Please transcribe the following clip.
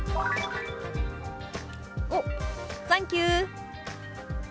「おサンキュー」。